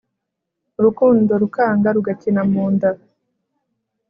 Urukundo rukanga rugakina mu nda